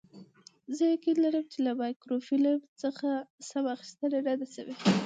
زه یقین لرم چې له مایکروفیلم څخه سمه اخیستنه نه ده شوې.